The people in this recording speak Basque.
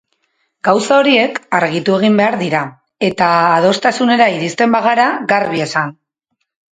Gauza horiek argitu egin behar dira, eta adostasunera iristen bagara garbi esan.